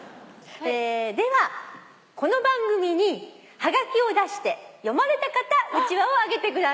ではこの番組にはがきを出して読まれた方うちわをあげてください。